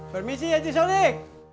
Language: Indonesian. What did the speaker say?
permisi haji shalik